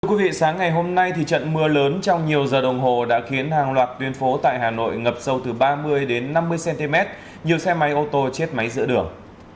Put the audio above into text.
thưa quý vị sáng ngày hôm nay trận mưa lớn trong nhiều giờ đồng hồ đã khiến hàng loạt tuyên phố tại hà nội ngập sâu từ ba mươi đến năm mươi cm nhiều xe máy ô tô chết máy giữa đường